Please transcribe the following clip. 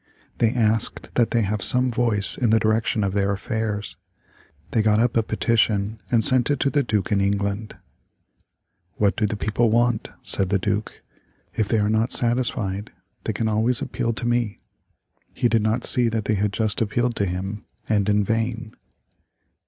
They asked that they have some voice in the direction of their affairs. They got up a petition and sent it to the Duke in England. "What do the people want?" said the Duke. "If they are not satisfied, they can always appeal to me." He did not see that they had just appealed to him, and in vain.